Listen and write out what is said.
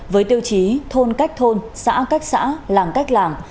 với tiêu chí thôn cách thôn xã cách xã làm cách làm